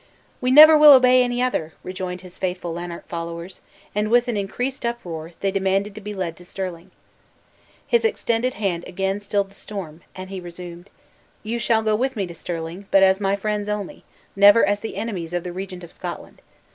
"We never will obey any other!" rejoined his faithful Lanark followers, and, with an increased uproar, they demanded to be led to Stirling. His extended hand again stilled the storm, and he resumed: "You shall go with me to Stirling, but as my friends only: never as the enemies of the Regent of Scotland.